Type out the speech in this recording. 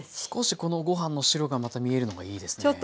少しこのご飯の白がまた見えるのがいいですね。